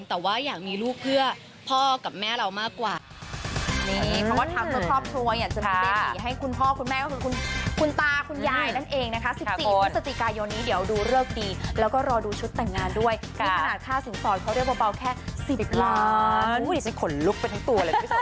แต่ว่าอยากมีลูกเพื่อพ่อกับแม่เรามากกว่า